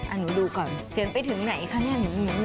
หนูดูก่อนเขียนไปถึงไหนคะเนี่ย